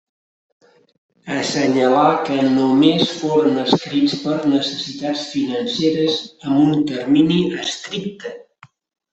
Assenyalà que només foren escrits per necessitats financeres amb un termini estricte.